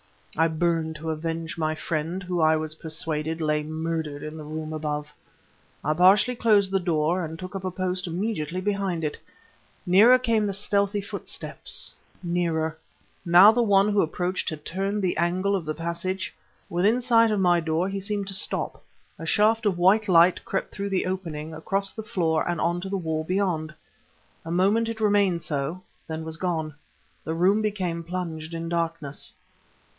I burned to avenge my friend, who I was persuaded, lay murdered in the room above. I partially closed the door and took up a post immediately behind it. Nearer came the stealthy footsteps nearer.... Now the one who approached had turned the angle of the passage.... Within sight of my door he seemed to stop; a shaft of white light crept through the opening, across the floor and on to the wall beyond. A moment it remained so then was gone. The room became plunged in darkness.